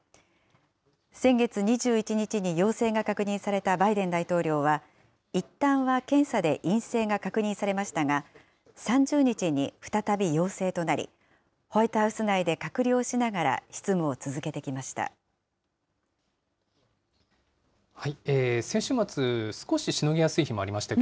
先月２１日に陽性が確認されたバイデン大統領は、いったんは検査で陰性が確認されましたが、３０日に再び陽性となり、ホワイトハウス内で隔離をしながら執務を続けてきました。